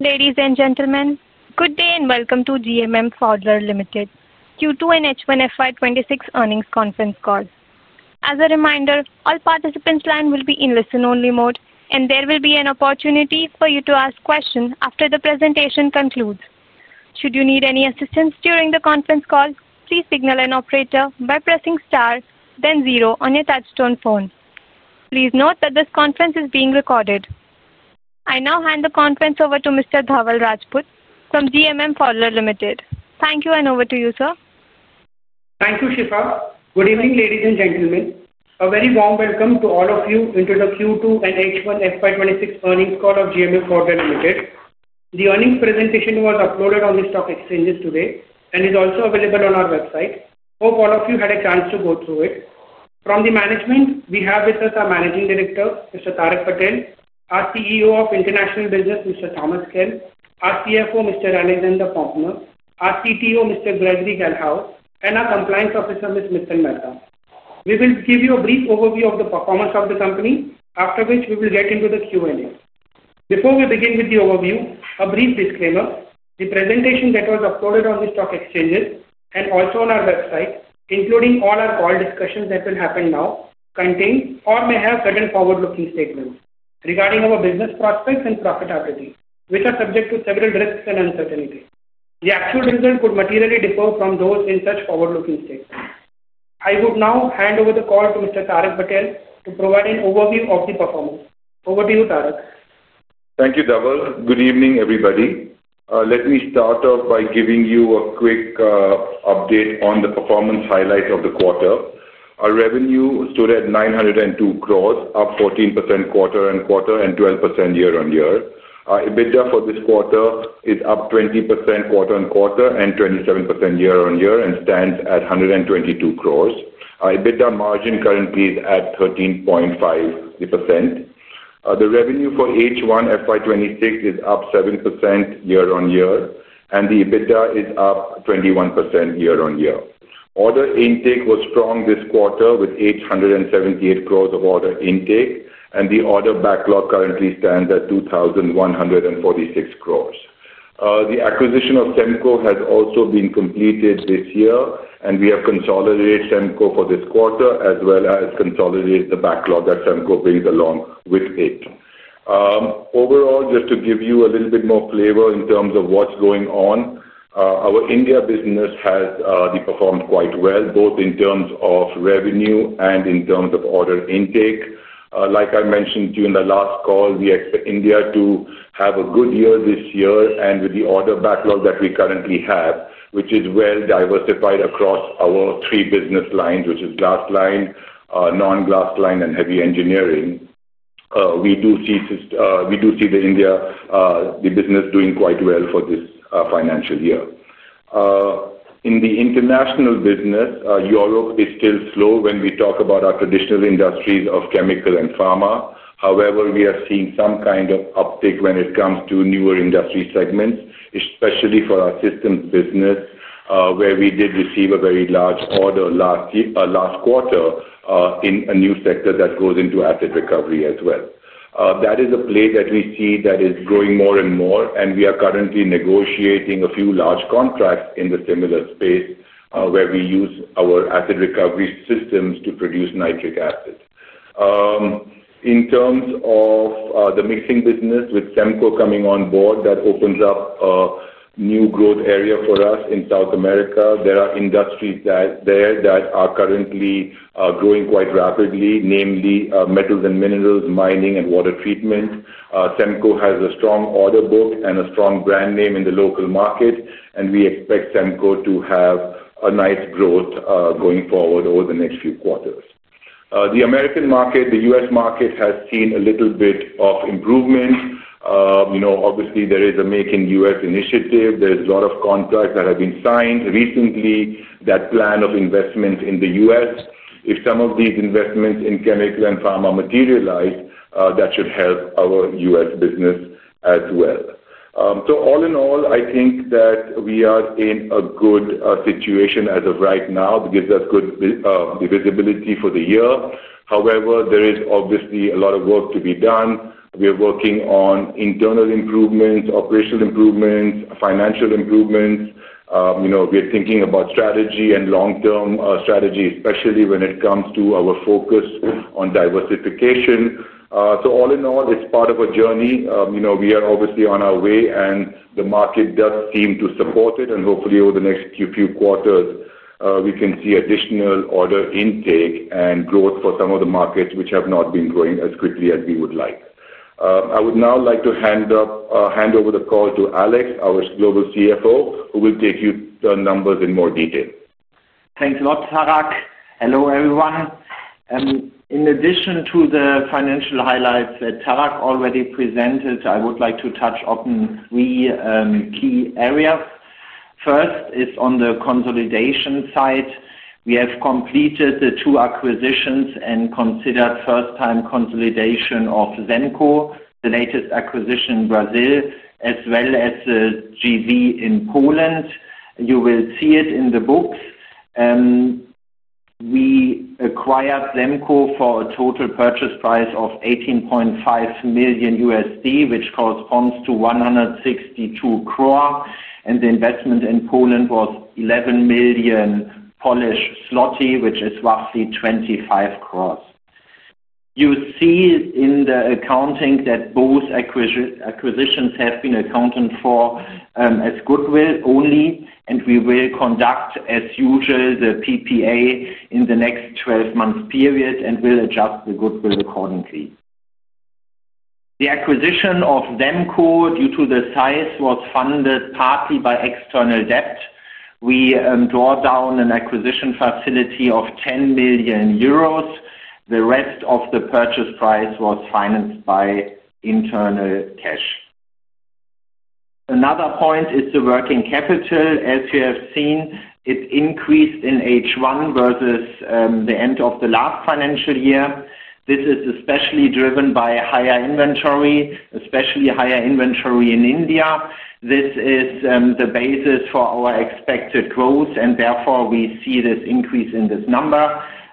Ladies and gentlemen, good day and welcome to GMM Pfaudler Limited, Q2 and H1FY 2026 Earnings Conference Call. As a reminder, all participants' lines will be in listen-only mode, and there will be an opportunity for you to ask questions after the presentation concludes. Should you need any assistance during the conference call, please signal an operator by pressing star, then zero on your touch-tone phone. Please note that this conference is being recorded. I now hand the conference over to Mr. Dhaval Rajput from GMM Pfaudler Limited. Thank you, and over to you, sir. Thank you, Shifa. Good evening, ladies and gentlemen. A very warm welcome to all of you to the Q2 and H1FY 2026 earnings call of GMM Pfaudler Limited. The earnings presentation was uploaded on the stock exchanges today and is also available on our website. Hope all of you had a chance to go through it. From the management, we have with us our Managing Director, Mr. Tarak Patel, our CEO of International Business, Mr. Thomas Kehl, our CFO, Mr. Alexander Poempner, our CTO, Mr. Greg Gelhaus, and our Compliance Officer, Ms. Mittal Mehta. We will give you a brief overview of the performance of the company, after which we will get into the Q&A. Before we begin with the overview, a brief disclaimer: the presentation that was uploaded on the stock exchanges and also on our website, including all our call discussions that will happen now, contains or may have certain forward-looking statements regarding our business prospects and profitability, which are subject to several risks and uncertainties. The actual results could materially differ from those in such forward-looking statements. I would now hand over the call to Mr. Tarak Patel to provide an overview of the performance. Over to you, Tarak. Thank you, Dhaval. Good evening, everybody. Let me start off by giving you a quick update on the performance highlights of the quarter. Our revenue stood at 902 crore, up 14% quarter-on-quarter and 12% year-on-year. EBITDA for this quarter is up 20% quarter-on-quarter and 27% year-on-year, and stands at 122 crore. Our EBITDA margin currently is at 13.5%. The revenue for H1FY 2026 is up 7% year-on-year, and the EBITDA is up 21% year-on-year. Order intake was strong this quarter with 878 crore of order intake, and the order backlog currently stands at 2,146 crore. The acquisition of SEMCO has also been completed this year, and we have consolidated SEMCO for this quarter as well as consolidated the backlog that SEMCO brings along with it. Overall, just to give you a little bit more flavor in terms of what's going on. Our India business has performed quite well, both in terms of revenue and in terms of order intake. Like I mentioned to you in the last call, we expect India to have a good year this year, and with the order backlog that we currently have, which is well diversified across our three business lines, which are glass line, non-glass line, and heavy engineering. We do see the India business doing quite well for this financial year. In the international business, Europe is still slow when we talk about our traditional industries of chemical and pharma. However, we are seeing some kind of uptick when it comes to newer industry segments, especially for our systems business, where we did receive a very large order last quarter in a new sector that goes into asset recovery as well. That is a play that we see that is growing more and more, and we are currently negotiating a few large contracts in the similar space where we use our asset recovery systems to produce nitric acid. In terms of the mixing business, with SEMCO coming on board, that opens up a new growth area for us in South America. There are industries there that are currently growing quite rapidly, namely metals and minerals, mining, and water treatment. SEMCO has a strong order book and a strong brand name in the local market, and we expect SEMCO to have a nice growth going forward over the next few quarters. The American market, the U.S. market has seen a little bit of improvement. Obviously, there is a Make in U.S. initiative. There's a lot of contracts that have been signed recently that plan of investment in the U.S. If some of these investments in chemical and pharma materialize, that should help our U.S. business as well. All in all, I think that we are in a good situation as of right now because that is good visibility for the year. However, there is obviously a lot of work to be done. We are working on internal improvements, operational improvements, financial improvements. We are thinking about strategy and long-term strategy, especially when it comes to our focus on diversification. All in all, it is part of a journey. We are obviously on our way, and the market does seem to support it, and hopefully, over the next few quarters, we can see additional order intake and growth for some of the markets which have not been growing as quickly as we would like. I would now like to hand. Over the call to Alex, our global CFO, who will take you through the numbers in more detail. Thanks a lot, Tarak. Hello everyone. In addition to the financial highlights that Tarak already presented, I would like to touch on three key areas. First is on the consolidation side. We have completed the two acquisitions and considered first-time consolidation of SEMCO, the latest acquisition in Brazil, as well as GV in Poland. You will see it in the books. We acquired SEMCO for a total purchase price of $18.5 million, which corresponds to 162 crore, and the investment in Poland was 11 million Polish zloty, which is roughly 25 crore. You see in the accounting that both acquisitions have been accounted for as goodwill only, and we will conduct, as usual, the PPA in the next 12-month period and will adjust the goodwill accordingly. The acquisition of SEMCO, due to the size, was funded partly by external debt. We draw down an acquisition facility of 10 million euros. The rest of the purchase price was financed by internal cash. Another point is the working capital. As you have seen, it has increased in H1 versus the end of the last financial year. This is especially driven by higher inventory, especially higher inventory in India. This is the basis for our expected growth, and therefore we see this increase in this number.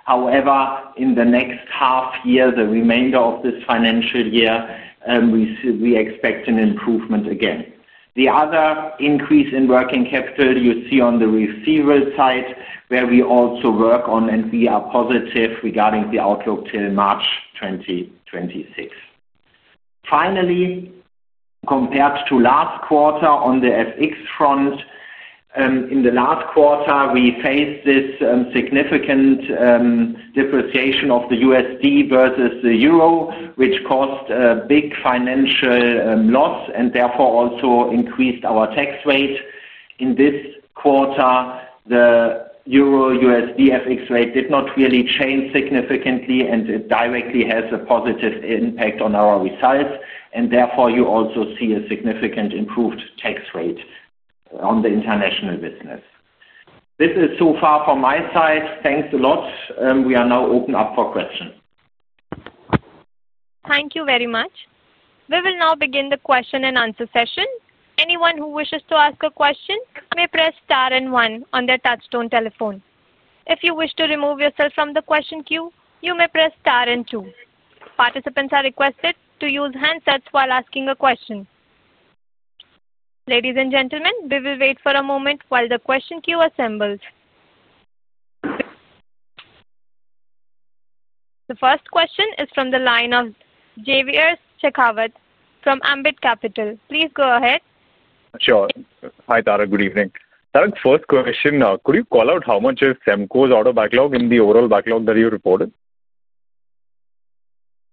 However, in the next half year, the remainder of this financial year, we expect an improvement again. The other increase in working capital you see on the receivables side, where we also work on, and we are positive regarding the outlook till March 2026. Finally, compared to last quarter on the FX front, in the last quarter, we faced this significant. Depreciation of the USD versus the euro, which caused big financial loss and therefore also increased our tax rate. In this quarter, the EUR/USD FX rate did not really change significantly, and it directly has a positive impact on our results, and therefore you also see a significant improved tax rate on the international business. This is so far from my side. Thanks a lot. We are now open up for questions. Thank you very much. We will now begin the question and answer session. Anyone who wishes to ask a question may press star and one on their touchstone telephone. If you wish to remove yourself from the question queue, you may press star and two. Participants are requested to use handsets while asking a question. Ladies and gentlemen, we will wait for a moment while the question queue assembles. The first question is from the line of Jaiveer Shekhawat from Ambit Capital. Please go ahead. Sure. Hi, Tarak. Good evening. Tarak, first question now. Could you call out how much is SEMCO's order backlog in the overall backlog that you reported?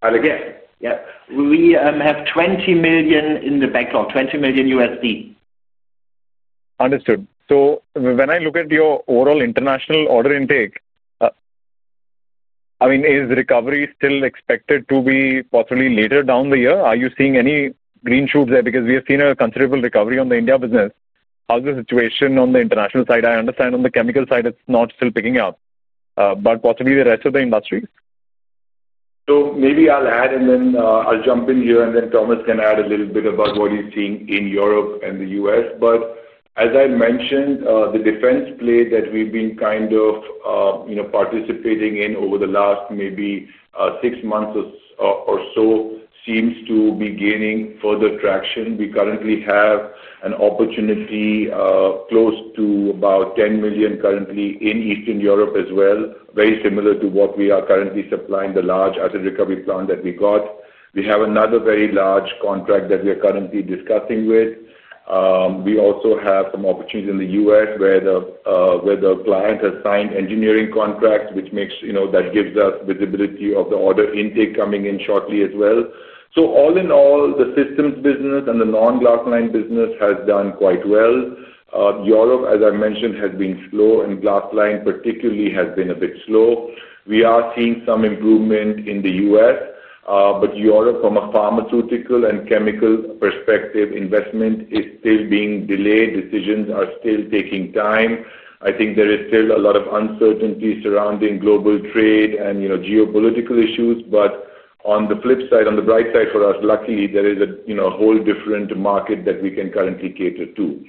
Tarak, yes. Yep. We have $20 million in the backlog, $20 million USD. Understood. So when I look at your overall international order intake, I mean, is recovery still expected to be possibly later down the year? Are you seeing any green shoots there? Because we have seen a considerable recovery on the India business. How's the situation on the international side? I understand on the chemical side, it's not still picking up, but possibly the rest of the industry? Maybe I'll add, and then I'll jump in here, and then Thomas can add a little bit about what he's seen in Europe and the U.S. As I mentioned, the defense play that we've been kind of participating in over the last maybe six months or so seems to be gaining further traction. We currently have an opportunity close to 10 million currently in Eastern Europe as well, very similar to what we are currently supplying the large asset recovery plan that we got. We have another very large contract that we are currently discussing with. We also have some opportunities in the U.S. where the client has signed engineering contracts, which gives us visibility of the order intake coming in shortly as well. All in all, the systems business and the non-glass line business has done quite well. Europe, as I mentioned, has been slow, and glass line particularly has been a bit slow. We are seeing some improvement in the U.S., but Europe, from a pharmaceutical and chemical perspective, investment is still being delayed. Decisions are still taking time. I think there is still a lot of uncertainty surrounding global trade and geopolitical issues. On the flip side, on the bright side for us, luckily, there is a whole different market that we can currently cater to.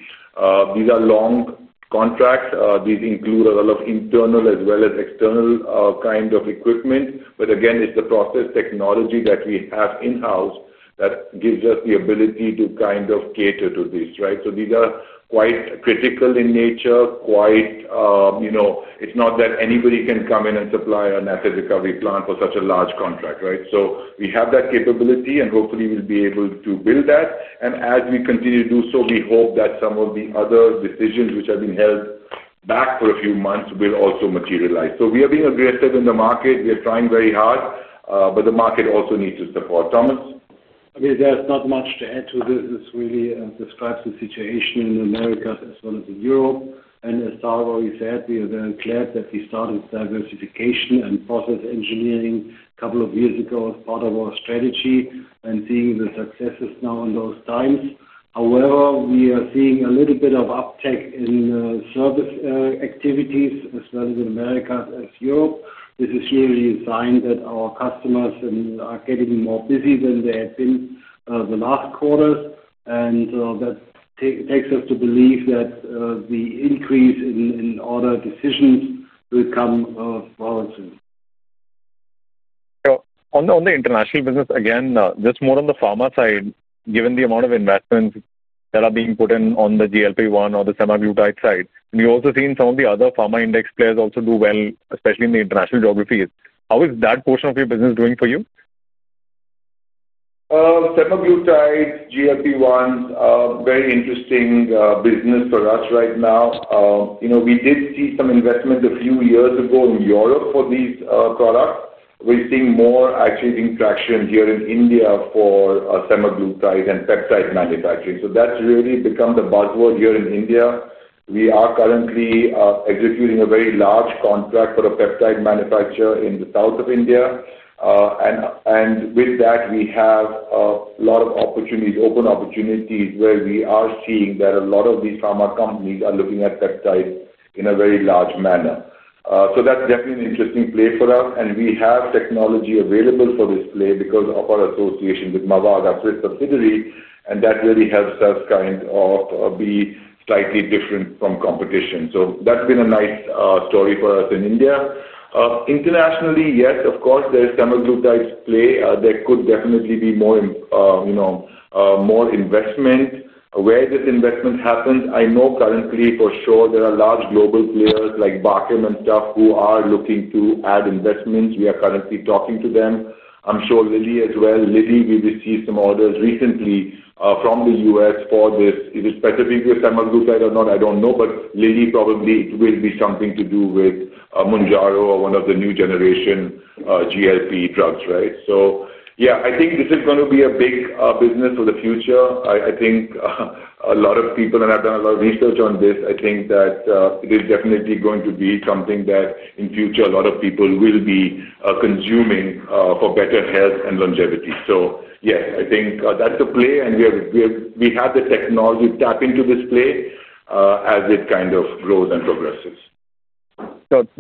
These are long contracts. These include a lot of internal as well as external kind of equipment. Again, it is the process technology that we have in-house that gives us the ability to kind of cater to this, right? These are quite critical in nature, quite. It is not that anybody can come in and supply an asset recovery plan for such a large contract, right? We have that capability, and hopefully, we'll be able to build that. As we continue to do so, we hope that some of the other decisions which have been held back for a few months will also materialize. We are being aggressive in the market. We are trying very hard, but the market also needs to support. Thomas. I mean, there's not much to add to this. This really describes the situation in America as well as in Europe. As Dhaval already said, we are very glad that we started diversification and process engineering a couple of years ago as part of our strategy and seeing the successes now in those times. However, we are seeing a little bit of uptick in service activities as well as in America as Europe. This is really a sign that our customers are getting more busy than they had been the last quarters, and that takes us to believe that the increase in order decisions will come very soon. On the international business, again, just more on the pharma side, given the amount of investments that are being put in on the GLP-1 or the semaglutide side. We've also seen some of the other pharma index players also do well, especially in the international geographies. How is that portion of your business doing for you? Semaglutide, GLP-1, very interesting business for us right now. We did see some investment a few years ago in Europe for these products. We are seeing more actually being traction here in India for semaglutide and peptide manufacturing. That has really become the buzzword here in India. We are currently executing a very large contract for a peptide manufacturer in the south of India. With that, we have a lot of open opportunities where we are seeing that a lot of these pharma companies are looking at peptides in a very large manner. That is definitely an interesting play for us, and we have technology available for this play because of our association with Mavag, our Swiss subsidiary, and that really helps us kind of be slightly different from competition. That has been a nice story for us in India. Internationally, yes, of course, there is semaglutide play. There could definitely be more investment. Where this investment happens, I know currently for sure there are large global players like Bakken and stuff who are looking to add investments. We are currently talking to them. I'm sure Lilly as well. Lilly, we received some orders recently from the U.S. for this. Is it specifically semaglutide or not? I don't know, but Lilly probably will be something to do with Munjaro or one of the new generation GLP drugs, right? I think this is going to be a big business for the future. I think a lot of people, and I've done a lot of research on this, I think that it is definitely going to be something that in future a lot of people will be consuming for better health and longevity. Yes, I think that's the play, and we have the technology to tap into this play as it kind of grows and progresses.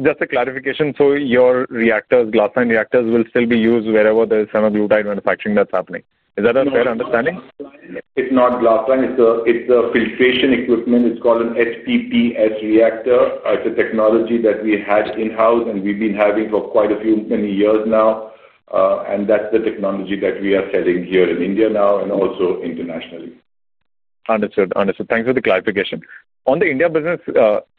Just a clarification. Your reactors, glass line reactors, will still be used wherever there is semaglutide manufacturing that's happening. Is that a fair understanding? It's not glass line. It's a filtration equipment. It's called an SPPS reactor. It's a technology that we had in-house, and we've been having for quite a few many years now. That's the technology that we are selling here in India now and also internationally. Understood. Understood. Thanks for the clarification. On the India business,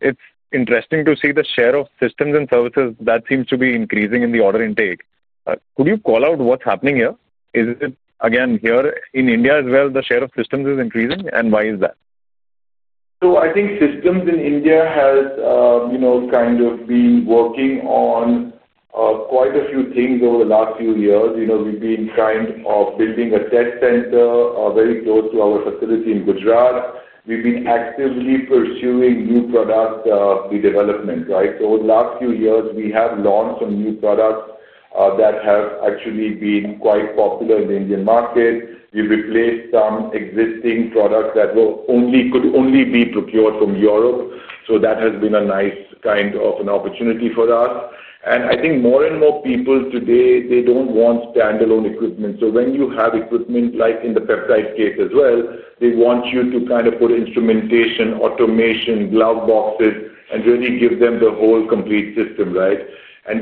it's interesting to see the share of systems and services that seems to be increasing in the order intake. Could you call out what's happening here? Is it, again, here in India as well, the share of systems is increasing? And why is that? I think systems in India have kind of been working on quite a few things over the last few years. We've been kind of building a test center very close to our facility in Gujarat. We've been actively pursuing new product development, right? Over the last few years, we have launched some new products that have actually been quite popular in the Indian market. We've replaced some existing products that could only be procured from Europe. That has been a nice kind of an opportunity for us. I think more and more people today, they do not want standalone equipment. When you have equipment, like in the peptide case as well, they want you to kind of put instrumentation, automation, glove boxes, and really give them the whole complete system, right?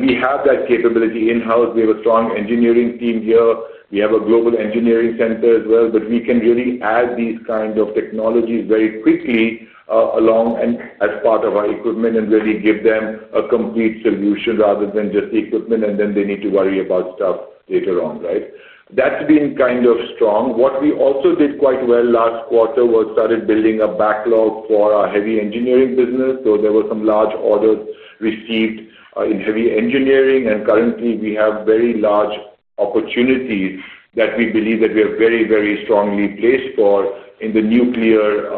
We have that capability in-house. We have a strong engineering team here. We have a global engineering center as well, but we can really add these kind of technologies very quickly along and as part of our equipment and really give them a complete solution rather than just the equipment, and then they need to worry about stuff later on, right? That has been kind of strong. What we also did quite well last quarter was started building a backlog for our heavy engineering business. There were some large orders received in heavy engineering, and currently, we have very large opportunities that we believe that we are very, very strongly placed for in the nuclear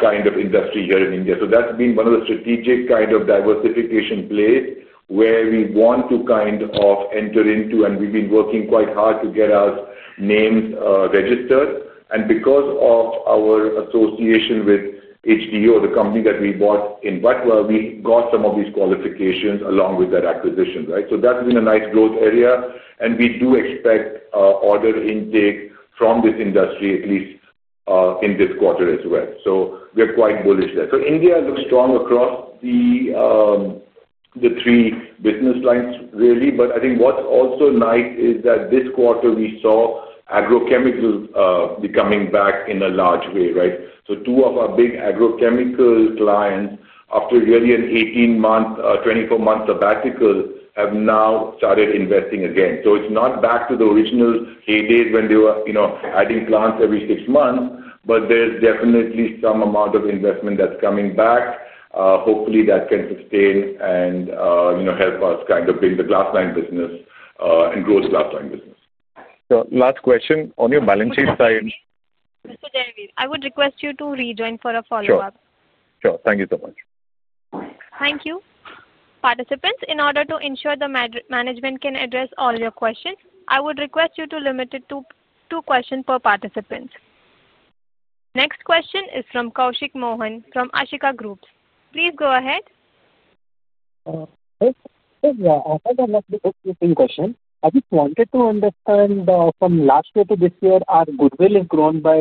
kind of industry here in India. That has been one of the strategic kind of diversification plays where we want to kind of enter into, and we have been working quite hard to get our names registered. Because of our association with HDO, the company that we bought in Butwa, we got some of these qualifications along with that acquisition, right? That has been a nice growth area, and we do expect order intake from this industry, at least in this quarter as well. We are quite bullish there. India looks strong across the three business lines, really. I think what is also nice is that this quarter, we saw agrochemicals coming back in a large way, right? Two of our big agrochemical clients, after really an 18-month to 24-month sabbatical, have now started investing again. It is not back to the original heyday when they were adding plants every six months, but there is definitely some amount of investment that is coming back. Hopefully, that can sustain and help us kind of build the glass line business and grow the glass line business. Last question on your balance sheet side. Jaiveer, I would request you to rejoin for a follow-up. Sure. Sure. Thank you so much. Thank you. Participants, in order to ensure the management can address all your questions, I would request you to limit it to two questions per participant. Next question is from Koushik Mohan from Ashika Group. Please go ahead. Okay. I'll start with the opening question. I just wanted to understand from last year to this year, our goodwill has grown by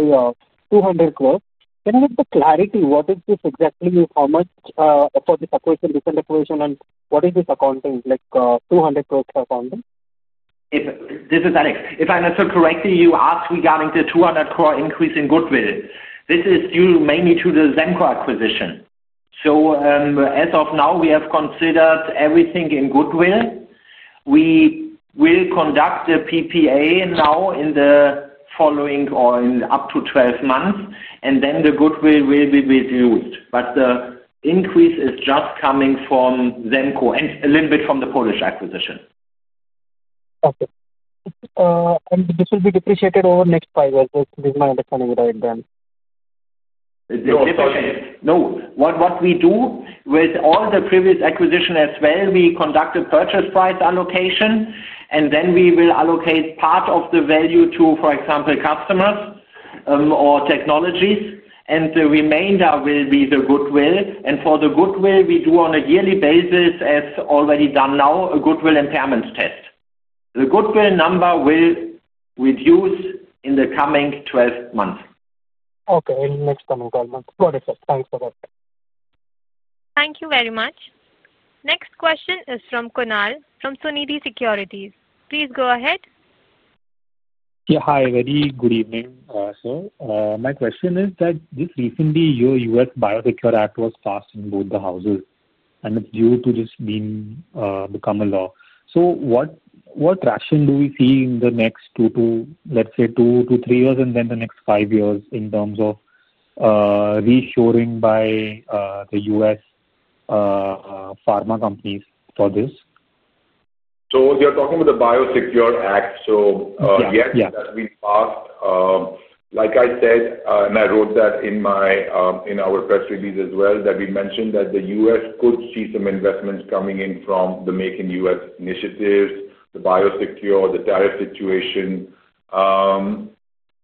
2,000,000,000. Can I get the clarity? What is this exactly? How much for this acquisition, recent acquisition, and what is this accounting? Like 2,000,000,000 for accounting? This is Alex. If I understood correctly, you asked regarding the 200 crore increase in goodwill. This is due mainly to the SEMCO acquisition. As of now, we have considered everything in goodwill. We will conduct the PPA now in the following or in up to 12 months, and then the goodwill will be reduced. The increase is just coming from SEMCO and a little bit from the Polish acquisition. Okay. This will be depreciated over the next five years. This is my understanding, right then. No. What we do with all the previous acquisition as well, we conduct a purchase price allocation, and then we will allocate part of the value to, for example, customers or technologies, and the remainder will be the goodwill. For the goodwill, we do on a yearly basis, as already done now, a goodwill impairment test. The goodwill number will reduce in the coming 12 months. Okay. In the next coming 12 months. Perfect. Thanks for that. Thank you very much. Next question is from Kunal from Sunidhi Securities. Please go ahead. Yeah. Hi. Very good evening. My question is that just recently, your U.S. Biosecure Act was passed in both the houses, and it's due to just become a law. What traction do we see in the next two, let's say, two to three years, and then the next five years in terms of reassuring by the U.S. pharma companies for this? You're talking about the Biosecure Act? Yes. Yes, that's been passed. Like I said, and I wrote that in our press release as well, we mentioned that the U.S. could see some investments coming in from the Make in U.S. initiatives, the Biosecure, the tariff situation.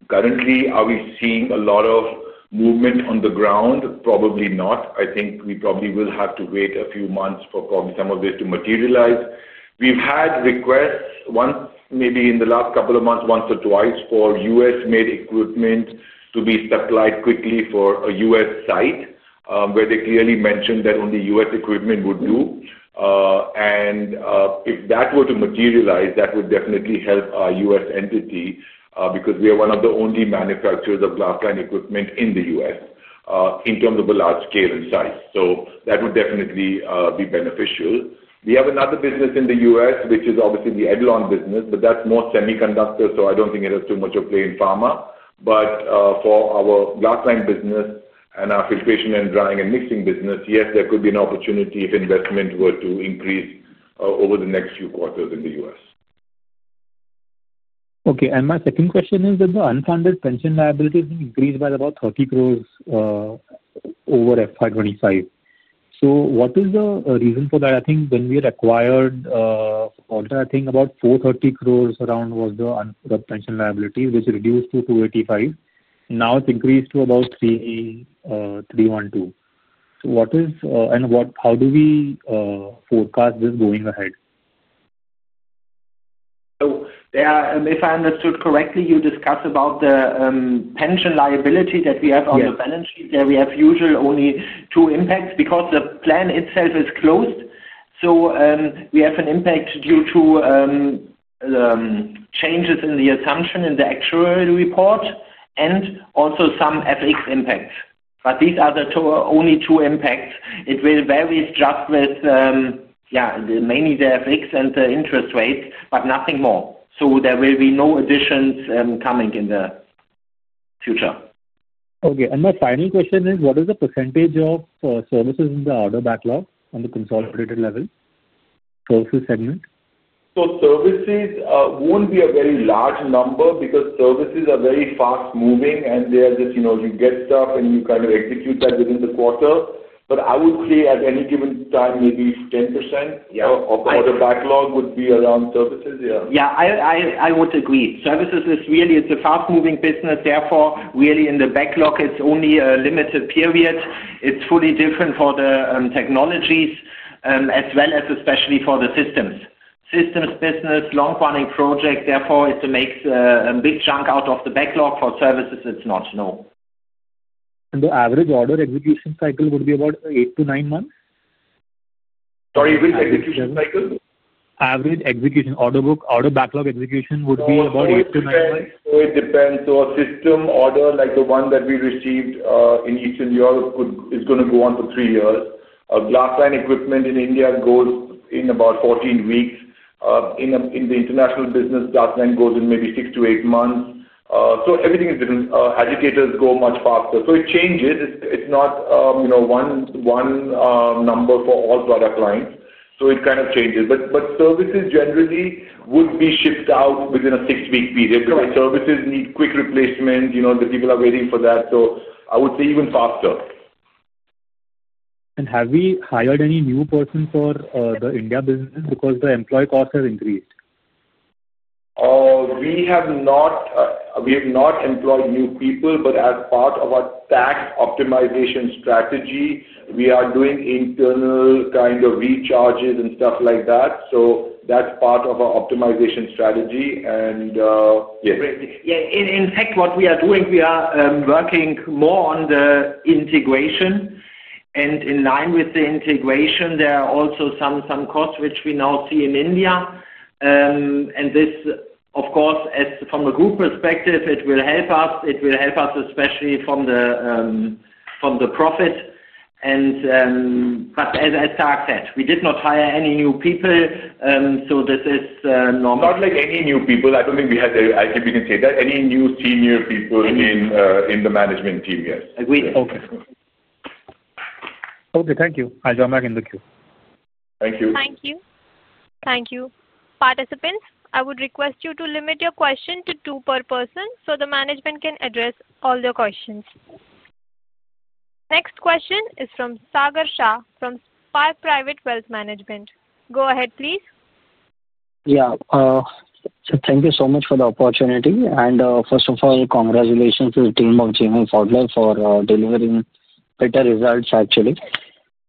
Currently, are we seeing a lot of movement on the ground? Probably not. I think we probably will have to wait a few months for probably some of this to materialize. We've had requests once, maybe in the last couple of months, once or twice for U.S.-made equipment to be supplied quickly for a U.S. site where they clearly mentioned that only U.S. equipment would do. If that were to materialize, that would definitely help our U.S. entity because we are one of the only manufacturers of glass-line equipment in the U.S. in terms of the large scale and size. That would definitely be beneficial. We have another business in the U.S., which is obviously the Edlon business, but that's more semiconductor, so I don't think it has too much of a play in pharma. For our glass line business and our filtration and drying and mixing business, yes, there could be an opportunity if investment were to increase over the next few quarters in the U.S. Okay. My second question is that the unfunded pension liability has increased by about 30 crore over FY2025. What is the reason for that? I think when we acquired, I think about 430 crore around was the unfunded pension liability, which reduced to 285 crore. Now it has increased to about 312 crore. What is and how do we forecast this going ahead? If I understood correctly, you discussed about the pension liability that we have on the balance sheet there. We have usually only two impacts because the plan itself is closed. We have an impact due to changes in the assumption in the actual report and also some FX impacts. These are the only two impacts. It will vary just with, yeah, mainly the FX and the interest rates, but nothing more. There will be no additions coming in the future. Okay. My final question is, what is the percentage of services in the order backlog on the consolidated level? Services segment? Services will not be a very large number because services are very fast-moving, and they are just you get stuff and you kind of execute that within the quarter. I would say at any given time, maybe 10% of the order backlog would be around services. Yeah. Yeah. I would agree. Services is really, it's a fast-moving business. Therefore, really in the backlog, it's only a limited period. It's fully different for the technologies as well as especially for the systems. Systems business, long-running project. Therefore, it makes a big chunk out of the backlog. For services, it's not, no. The average order execution cycle would be about eight to nine months? Sorry, which execution cycle? Average execution. Order backlog execution would be about eight to nine months. It depends. A system order like the one that we received in Eastern Europe is going to go on for three years. Glass-lined equipment in India goes in about 14 weeks. In the international business, glass line goes in maybe six to eight months. Everything is different. Agitators go much faster. It changes. It's not one number for all product lines. It kind of changes. Services generally would be shipped out within a six-week period because services need quick replacement. The people are waiting for that. I would say even faster. Have we hired any new persons for the India business because the employee cost has increased? We have not employed new people, but as part of our tax optimization strategy, we are doing internal kind of recharges and stuff like that. That is part of our optimization strategy. Yeah. In fact, what we are doing, we are working more on the integration. In line with the integration, there are also some costs which we now see in India. This, of course, from a group perspective, it will help us. It will help us especially from the profit. As Tarak said, we did not hire any new people. This is normal. Not like any new people. I don't think we had the I think we can say that. Any new senior people in the management team, yes. Agreed. Okay. Okay. Thank you. I'll jump back and look you. Thank you. Thank you. Thank you. Participants, I would request you to limit your question to two per person so the management can address all their questions. Next question is from Sagar Shah from Spark Private Wealth Management. Go ahead, please. Yeah. Thank you so much for the opportunity. First of all, congratulations to the team of GMM Pfaudler for delivering better results, actually.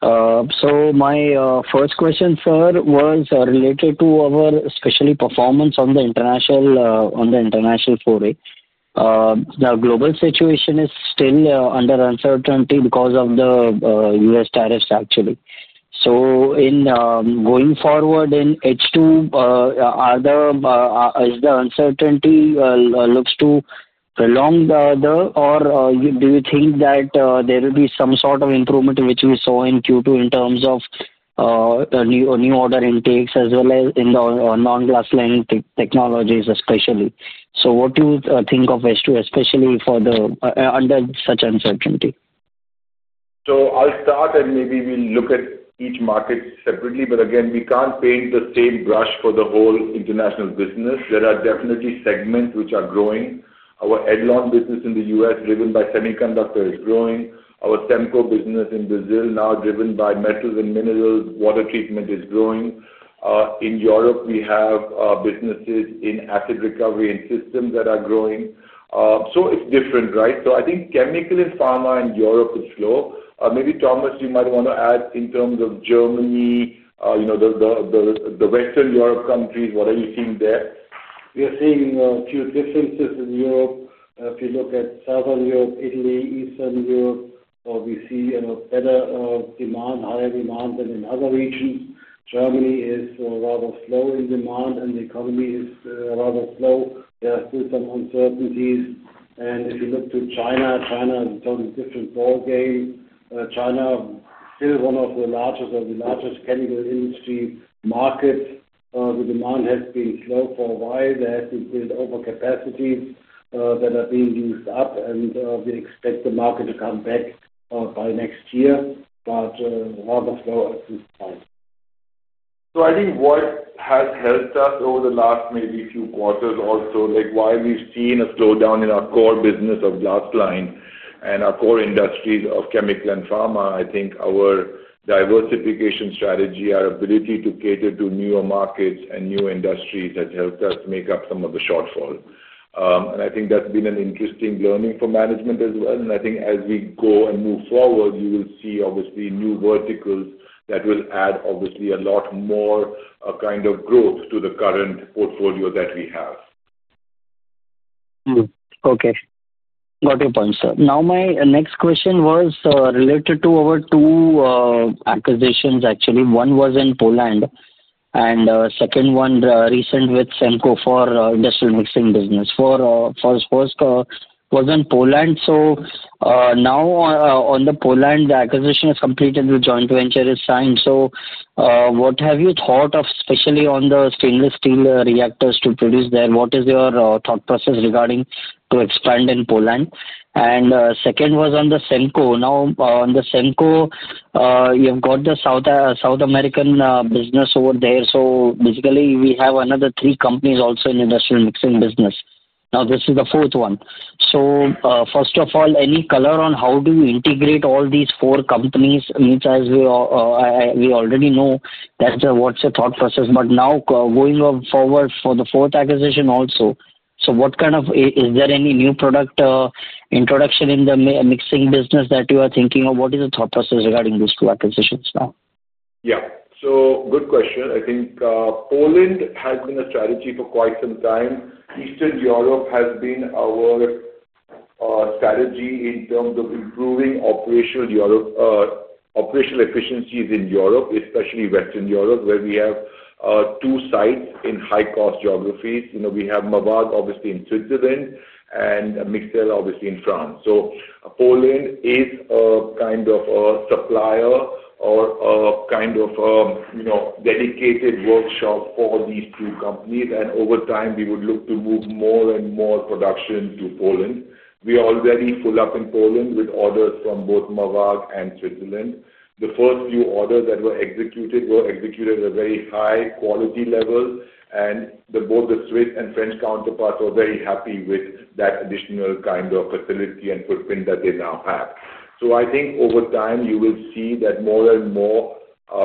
My first question, sir, was related to our especially performance on the international, for the global situation is still under uncertainty because of the U.S. tariffs, actually. In going forward in H2, does the uncertainty look to prolong the order, or do you think that there will be some sort of improvement which we saw in Q2 in terms of new order intakes as well as in the non-glass line technologies especially? What do you think of H2, especially under such uncertainty? I'll start, and maybe we'll look at each market separately. Again, we can't paint the same brush for the whole international business. There are definitely segments which are growing. Our Edlon business in the U.S. driven by semiconductor is growing. Our SEMCO business in Brazil now driven by metals and minerals, water treatment is growing. In Europe, we have businesses in asset recovery and systems that are growing. It's different, right? I think chemical and pharma in Europe is slow. Maybe, Thomas, you might want to add in terms of Germany. The Western Europe countries, what are you seeing there? We are seeing a few differences in Europe. If you look at Southern Europe, Italy, Eastern Europe, we see better demand, higher demand than in other regions. Germany is rather slow in demand, and the economy is rather slow. There are still some uncertainties. If you look to China, China is a totally different ballgame. China is still one of the largest chemical industry markets. The demand has been slow for a while. There has been built-over capacities that are being used up, and we expect the market to come back by next year, but rather slow at this time. I think what has helped us over the last maybe few quarters also, like why we've seen a slowdown in our core business of glass line and our core industries of chemical and pharma, I think our diversification strategy, our ability to cater to newer markets and new industries has helped us make up some of the shortfall. I think that's been an interesting learning for management as well. I think as we go and move forward, you will see obviously new verticals that will add obviously a lot more kind of growth to the current portfolio that we have. Okay. Got your point, sir. Now, my next question was related to our two acquisitions, actually. One was in Poland, and second one recent with SEMCO for industrial mixing business. First was in Poland. Now on the Poland, the acquisition is completed with joint venture is signed. What have you thought of especially on the stainless steel reactors to produce there? What is your thought process regarding to expand in Poland? Second was on the SEMCO. Now, on the SEMCO, you've got the South American business over there. Basically, we have another three companies also in industrial mixing business. Now, this is the fourth one. First of all, any color on how do you integrate all these four companies? As we already know, that's what's the thought process. Now going forward for the fourth acquisition also, so what kind of is there any new product introduction in the mixing business that you are thinking of? What is the thought process regarding these two acquisitions now? Yeah. Good question. I think Poland has been a strategy for quite some time. Eastern Europe has been our strategy in terms of improving operational efficiencies in Europe, especially Western Europe, where we have two sites in high-cost geographies. We have Mavag, obviously, in Switzerland, and Mixel, obviously, in France. Poland is a kind of a supplier or a kind of a dedicated workshop for these two companies. Over time, we would look to move more and more production to Poland. We are already full up in Poland with orders from both Mavag and Switzerland. The first few orders that were executed were executed at a very high-quality level, and both the Swiss and French counterparts were very happy with that additional kind of facility and footprint that they now have. I think over time, you will see that more and more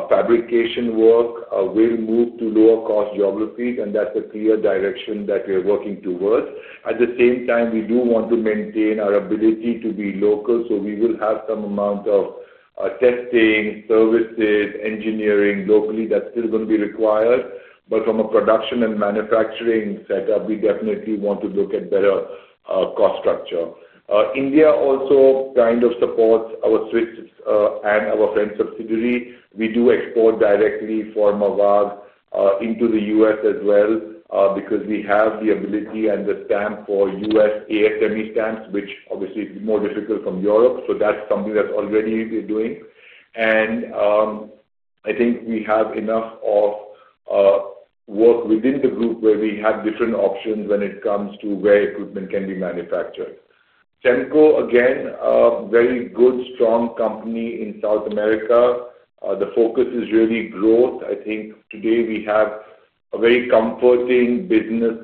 fabrication work will move to lower-cost geographies, and that's the clear direction that we are working towards. At the same time, we do want to maintain our ability to be local, so we will have some amount of testing, services, engineering locally that's still going to be required. From a production and manufacturing setup, we definitely want to look at better cost structure. India also kind of supports our Swiss and our French subsidiary. We do export directly for Mavag into the U.S. as well because we have the ability and the stamp for U.S. ASME stamps, which obviously is more difficult from Europe. That's something that's already been doing. I think we have enough work within the group where we have different options when it comes to where equipment can be manufactured. SEMCO, again, a very good, strong company in South America. The focus is really growth. I think today we have a very comforting business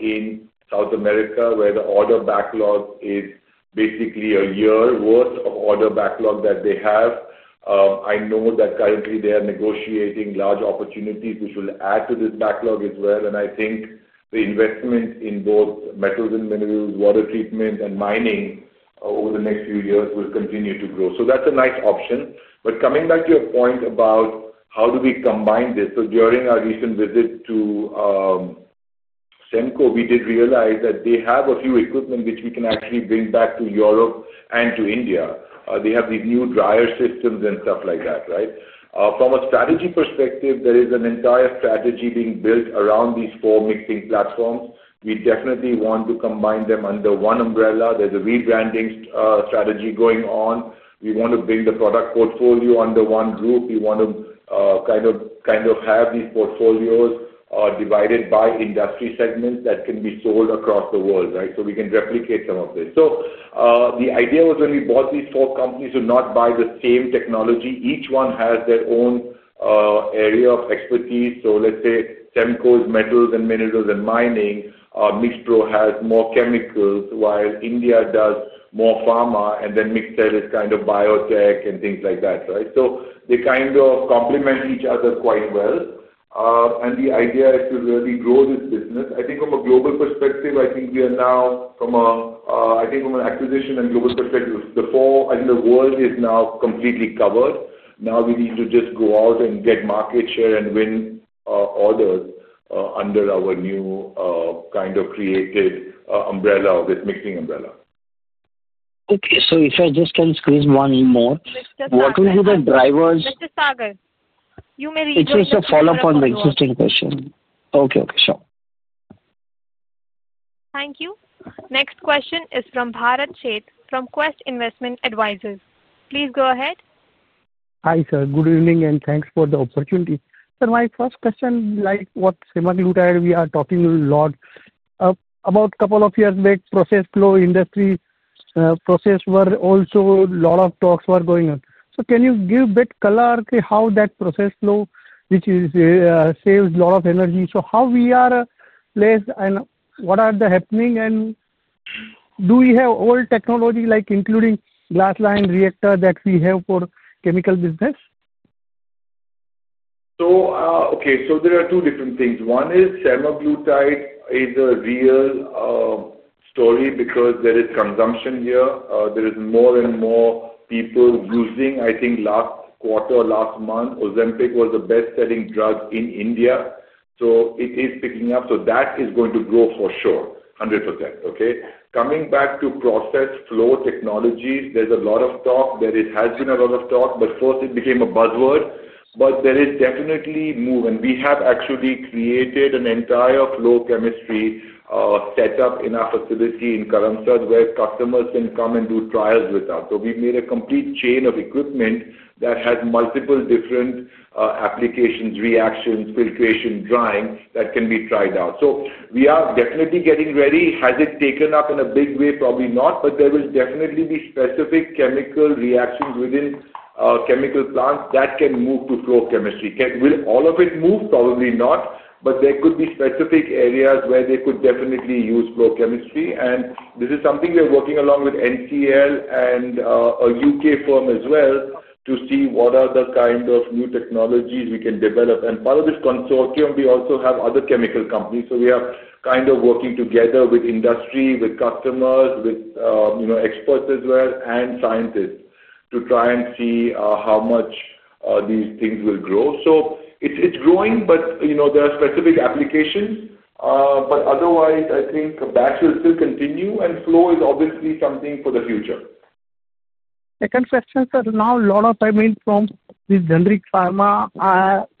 in South America where the order backlog is basically a year's worth of order backlog that they have. I know that currently they are negotiating large opportunities, which will add to this backlog as well. I think the investment in both metals and minerals, water treatment, and mining over the next few years will continue to grow. That is a nice option. Coming back to your point about how do we combine this, during our recent visit to SEMCO, we did realize that they have a few equipment which we can actually bring back to Europe and to India. They have these new dryer systems and stuff like that, right? From a strategy perspective, there is an entire strategy being built around these four mixing platforms. We definitely want to combine them under one umbrella. There is a rebranding strategy going on. We want to bring the product portfolio under one group. We want to kind of have these portfolios divided by industry segments that can be sold across the world, right? We can replicate some of this. The idea was when we bought these four companies to not buy the same technology. Each one has their own area of expertise. Let's say SEMCO is metals and minerals and mining, MixPro has more chemicals, while India does more pharma, and then Mixel is kind of biotech and things like that, right? They kind of complement each other quite well. The idea is to really grow this business. I think from a global perspective, we are now from an acquisition and global perspective, the four in the world is now completely covered. Now we need to just go out and get market share and win orders under our new kind of created umbrella or this mixing umbrella. Okay. If I just can squeeze one more, what will be the drivers? Mr. Sagar, you may read over. It's just a follow-up on the existing question. Okay. Okay. Sure. Thank you. Next question is from Bharat Seth from Quest Investment Advisors. Please go ahead. Hi, sir. Good evening and thanks for the opportunity. Sir, my first question, like what SEMCO there we are talking a lot. About a couple of years back, process flow industry process were also a lot of talks were going on. Can you give a bit color to how that process flow, which saves a lot of energy? How we are placed and what are the happening and do we have old technology like including glass line reactor that we have for chemical business? Okay. There are two different things. One is semaglutide is a real story because there is consumption here. There are more and more people using. I think last quarter, last month, Ozempic was the best-selling drug in India. It is picking up. That is going to grow for sure, 100%. Okay? Coming back to process flow technologies, there is a lot of talk. There has been a lot of talk, first it became a buzzword. There is definitely move. We have actually created an entire flow chemistry setup in our facility in Karamsad where customers can come and do trials with us. We made a complete chain of equipment that has multiple different applications, reactions, filtration, drying that can be tried out. We are definitely getting ready. Has it taken up in a big way? Probably not, but there will definitely be specific chemical reactions within chemical plants that can move to flow chemistry. Will all of it move? Probably not, but there could be specific areas where they could definitely use flow chemistry. This is something we are working along with NCL and a U.K. firm as well to see what are the kind of new technologies we can develop. Part of this consortium, we also have other chemical companies. We are kind of working together with industry, with customers, with experts as well, and scientists to try and see how much these things will grow. It is growing, but there are specific applications. Otherwise, I think that will still continue, and flow is obviously something for the future. Second question, sir. Now, a lot of, I mean, from this generic pharma,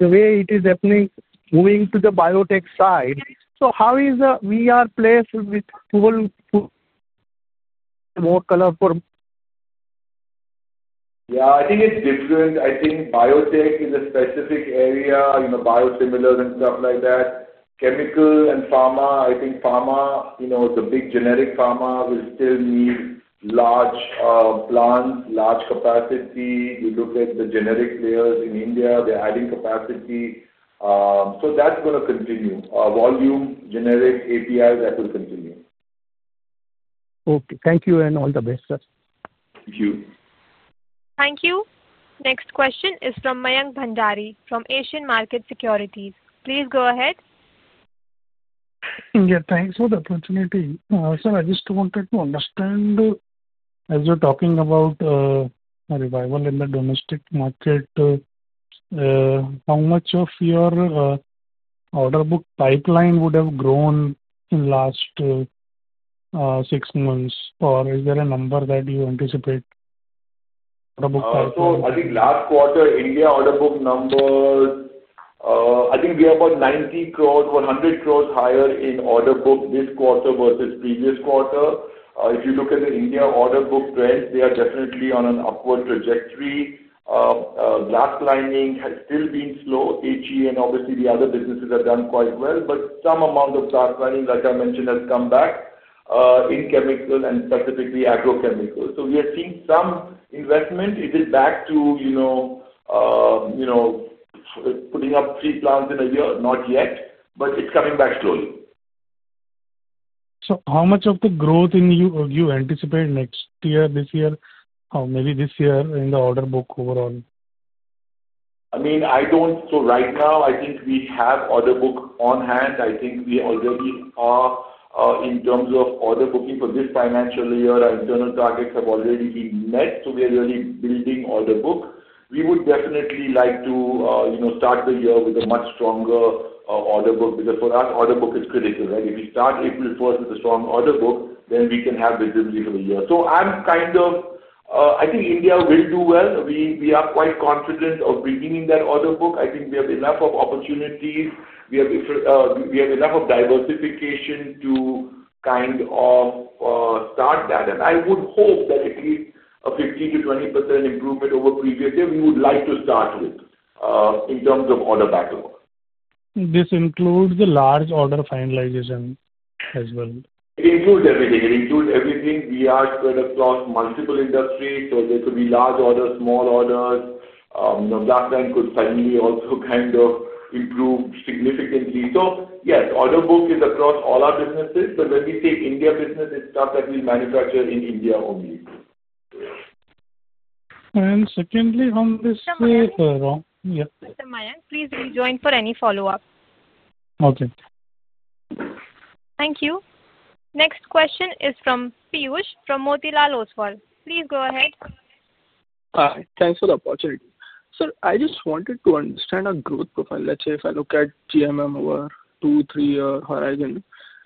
the way it is happening, moving to the biotech side, so how is we are placed with. More colorful? Yeah. I think it's different. I think biotech is a specific area, biosimilars and stuff like that. Chemical and pharma, I think pharma, the big generic pharma will still need large plants, large capacity. You look at the generic players in India, they're adding capacity. So that's going to continue. Volume, generic APIs, that will continue. Okay. Thank you and all the best, sir. Thank you. Thank you. Next question is from Mayank Bhandari from Asian Market Securities. Please go ahead. Yeah. Thanks for the opportunity. Sir, I just wanted to understand. As you're talking about a revival in the domestic market, how much of your order book pipeline would have grown in the last six months? Or is there a number that you anticipate, order book pipeline? I think last quarter, India order book number. I think we are about 900 million or 1,000 million higher in order book this quarter versus previous quarter. If you look at the India order book trends, they are definitely on an upward trajectory. Glass lining has still been slow. HE and obviously the other businesses have done quite well, but some amount of glass lining, like I mentioned, has come back. In chemical and specifically agrochemicals. We are seeing some investment. Is it back to putting up three plants in a year? Not yet, but it is coming back slowly. How much of the growth do you anticipate next year, this year, or maybe this year in the order book overall? I mean, I don't, so right now, I think we have order book on hand. I think we already are, in terms of order booking for this financial year, our internal targets have already been met. We are really building order book. We would definitely like to start the year with a much stronger order book because for us, order book is critical, right? If we start April 1 with a strong order book, we can have visibility for the year. I'm kind of, I think India will do well. We are quite confident of beginning that order book. I think we have enough of opportunities. We have enough of diversification to kind of start that. I would hope that at least a 15%-20% improvement over previous year, we would like to start with in terms of order backlog. This includes the large order finalization as well? It includes everything. We are spread across multiple industries, so there could be large orders, small orders. The glass line could suddenly also kind of improve significantly. Yes, order book is across all our businesses, but when we say India business, it's stuff that we manufacture in India only. Secondly, on this way around, yeah. Mr. Mayank, please rejoin for any follow-up. Okay. Thank you. Next question is from Piyush from Motilal Oswal. Please go ahead. Thanks for the opportunity. Sir, I just wanted to understand a growth profile. Let's say if I look at GMM over a two, three-year horizon,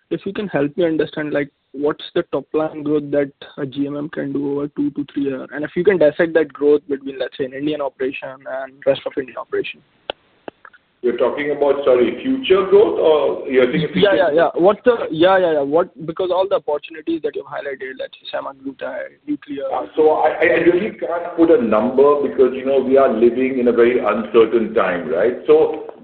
if you can help me understand what's the top-line growth that a GMM can do over two, two, three years? And if you can dissect that growth between, let's say, an Indian operation and rest of India operation. You're talking about, sorry, future growth or you're thinking of future? Yeah, yeah, yeah. Because all the opportunities that you've highlighted, let's say, semaglutide, nuclear. I really can't put a number because we are living in a very uncertain time, right?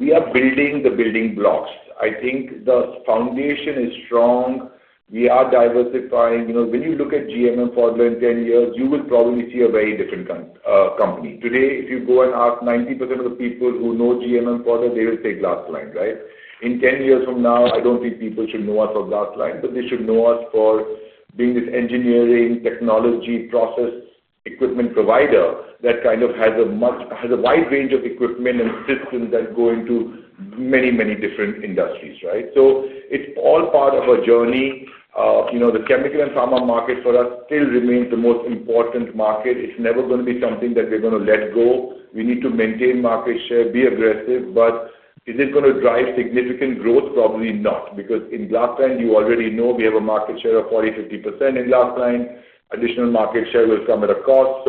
We are building the building blocks. I think the foundation is strong. We are diversifying. When you look at GMM for 10 years, you will probably see a very different company. Today, if you go and ask 90% of the people who know GMM for that, they will say glass line, right? In 10 years from now, I don't think people should know us for glass line, but they should know us for being this engineering, technology, process, equipment provider that kind of has a wide range of equipment and systems that go into many, many different industries, right? It is all part of a journey. The chemical and pharma market for us still remains the most important market. It is never going to be something that we are going to let go. We need to maintain market share, be aggressive. Is it going to drive significant growth? Probably not. In glass line, you already know we have a market share of 40%-50% in glass line. Additional market share will come at a cost.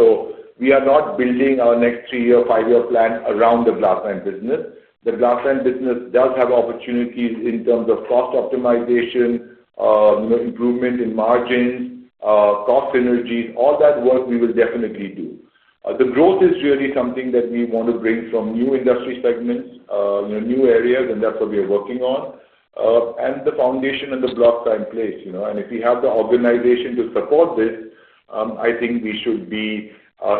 We are not building our next three-year, five-year plan around the glass line business. The glass line business does have opportunities in terms of cost optimization. Improvement in margins, cost synergies, all that work we will definitely do. The growth is really something that we want to bring from new industry segments, new areas, and that is what we are working on. The foundation and the blocks are in place. If we have the organization to support this, I think we should be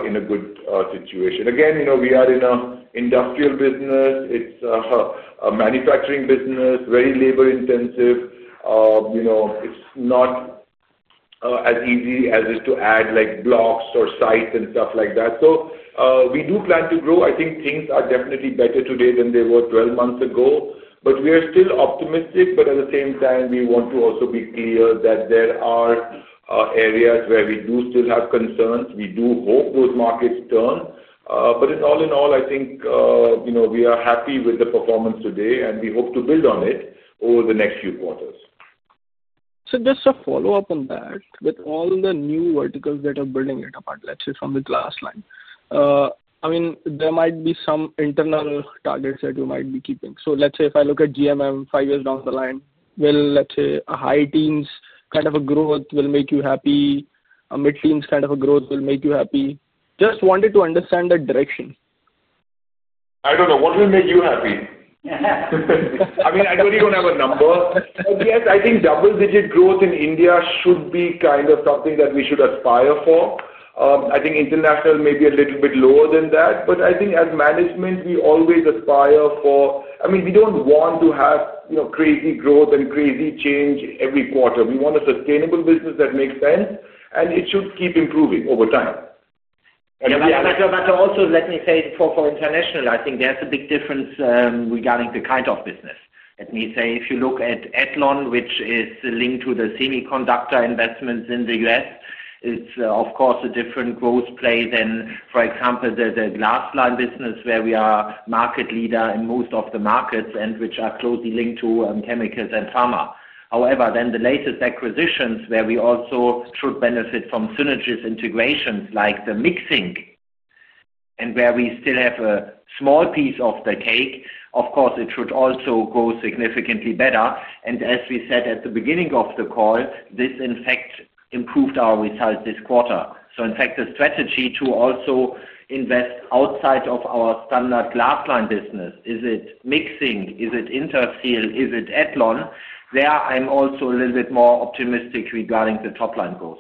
in a good situation. Again, we are in an industrial business. It is a manufacturing business, very labor-intensive. It is not. As easy as it is to add blocks or sites and stuff like that. We do plan to grow. I think things are definitely better today than they were 12 months ago. We are still optimistic. At the same time, we want to also be clear that there are areas where we do still have concerns. We do hope those markets turn. All in all, I think we are happy with the performance today, and we hope to build on it over the next few quarters. Just a follow-up on that. With all the new verticals that are building it upon, let's say, from the glass line. I mean, there might be some internal targets that you might be keeping. Let's say if I look at GMM five years down the line, will, let's say, a high teens kind of a growth make you happy? A mid teens kind of a growth make you happy? Just wanted to understand the direction. I don't know. What will make you happy? I mean, I don't even have a number. Yes, I think double-digit growth in India should be kind of something that we should aspire for. I think international may be a little bit lower than that. I think as management, we always aspire for, I mean, we don't want to have crazy growth and crazy change every quarter. We want a sustainable business that makes sense, and it should keep improving over time. That also, let me say, for international, I think there's a big difference regarding the kind of business. Let me say, if you look at Athlon, which is linked to the semiconductor investments in the U.S., it's, of course, a different growth play than, for example, the glass line business where we are market leader in most of the markets and which are closely linked to chemicals and pharma. However, then the latest acquisitions, where we also should benefit from synergist integrations like the mixing, and where we still have a small piece of the cake, of course, it should also go significantly better. As we said at the beginning of the call, this, in fact, improved our result this quarter. In fact, the strategy to also invest outside of our standard glass line business, is it mixing? Is it interseal? Is it Athlon? There, I'm also a little bit more optimistic regarding the top-line growth.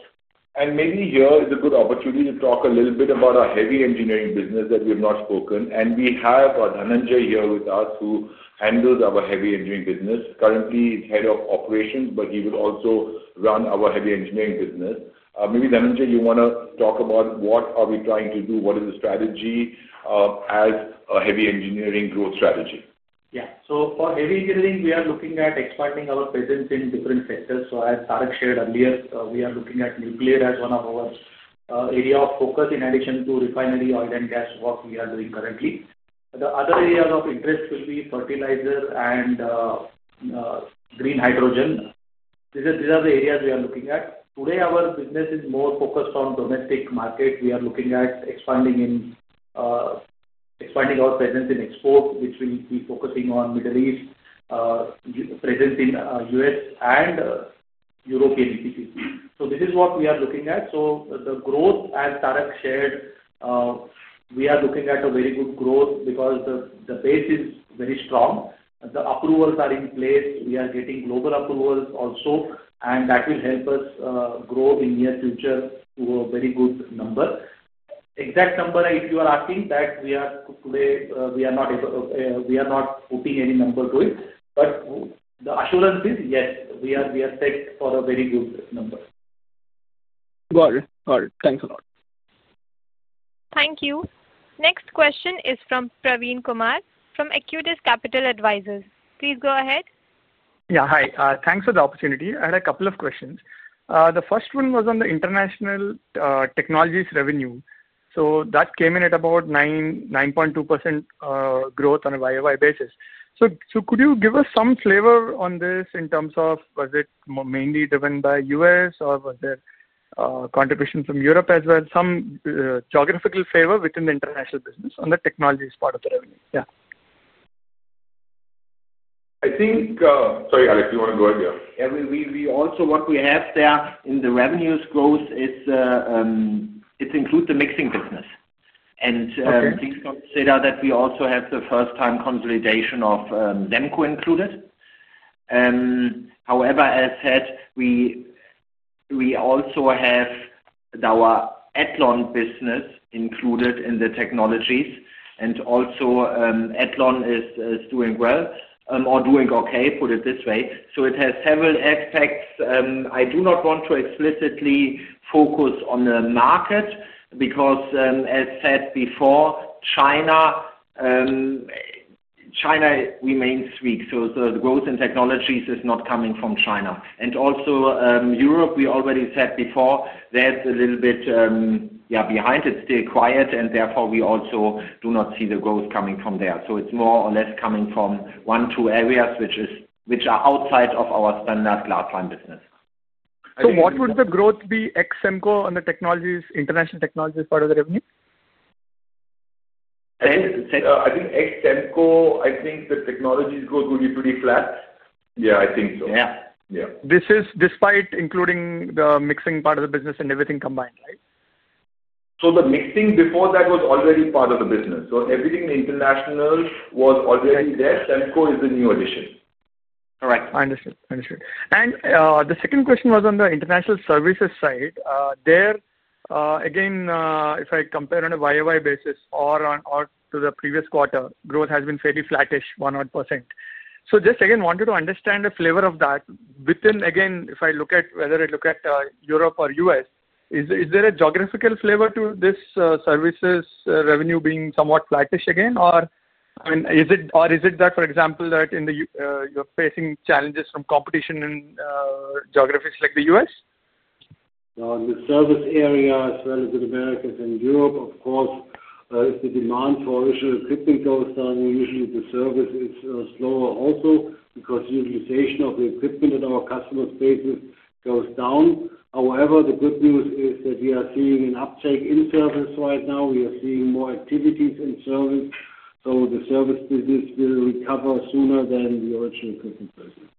Maybe here is a good opportunity to talk a little bit about our heavy engineering business that we have not spoken. We have Dhananjay here with us who handles our heavy engineering business. Currently, he is Head of Operations, but he will also run our heavy engineering business. Maybe, Dhananjay, you want to talk about what are we trying to do? What is the strategy. As a heavy engineering growth strategy? Yeah. So for heavy engineering, we are looking at expanding our presence in different sectors. As Tarak shared earlier, we are looking at nuclear as one of our areas of focus in addition to refinery, oil, and gas, what we are doing currently. The other areas of interest will be fertilizer and green hydrogen. These are the areas we are looking at. Today, our business is more focused on the domestic market. We are looking at expanding our presence in export, which we will be focusing on the Middle East, presence in the U.S., and European EPCC. This is what we are looking at. The growth, as Tarak shared, we are looking at a very good growth because the base is very strong. The approvals are in place. We are getting global approvals also, and that will help us grow in the near future to a very good number. Exact number, if you are asking, that we are today, we are not putting any number to it. But the assurance is, yes, we are set for a very good number. Got it. Got it. Thanks a lot. Thank you. Next question is from Praveen Kumar from Actis Capital Advisors. Please go ahead. Yeah. Hi. Thanks for the opportunity. I had a couple of questions. The first one was on the international technologies revenue. That came in at about 9.2% growth on a year-over-year basis. Could you give us some flavor on this in terms of, was it mainly driven by the U.S., or was there contribution from Europe as well? Some geographical flavor within the international business on the technologies part of the revenue. Yeah. I think, sorry, Alex, do you want to go ahead? Yeah. We also, what we have there in the revenues growth, it's included the mixing business. And please consider that we also have the first-time consolidation of SEMCO included. However, as said, we also have our Athlon business included in the technologies. And also, Athlon is doing well or doing okay, put it this way. So it has several aspects. I do not want to explicitly focus on the market because, as said before, China remains weak. The growth in technologies is not coming from China. Also, Europe, we already said before, they are a little bit, yeah, behind. It's still quiet, and therefore, we also do not see the growth coming from there. It is more or less coming from one or two areas which are outside of our standard glass line business. What would the growth be ex-SEMCO on the international technologies part of the revenue? I think ex-SEMCO, I think the technologies growth would be pretty flat. Yeah, I think so. Yeah. This is despite including the mixing part of the business and everything combined, right? The mixing before that was already part of the business. Everything international was already there. SEMCO is the new addition. Correct. Understood. Understood. The second question was on the international services side. If I compare on a year-on-year basis or to the previous quarter, growth has been fairly flattish, 100%. I just wanted to understand the flavor of that. If I look at whether I look at Europe or U.S., is there a geographical flavor to this services revenue being somewhat flattish? Or is it that, for example, you are facing challenges from competition in geographies like the U.S.? The service area as well as in America and Europe, of course, if the demand for additional equipment goes down, usually the service is slower also because utilization of the equipment in our customer spaces goes down. However, the good news is that we are seeing an uptake in service right now. We are seeing more activities in service. The service business will recover sooner than the original equipment business.